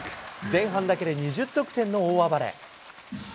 前半だけで２０得点の大暴れ。